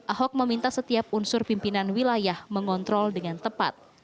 ahok meminta setiap unsur pimpinan wilayah mengontrol dengan tepat